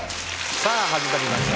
さあ始まりました